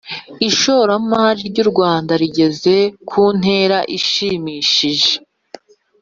ishoramari ry’u Rwanda rigeze kuntera ishimishije